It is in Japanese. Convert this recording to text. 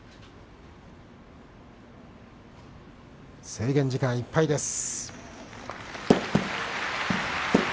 制限時間いっぱいです。